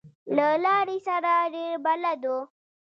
له لارې سره ډېر بلد و.